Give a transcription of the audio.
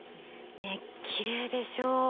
ねえきれいでしょう？